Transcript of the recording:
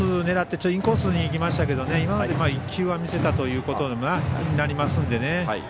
狙ってインコースにいきましたけど今ので１球は見せたということになりますのでね。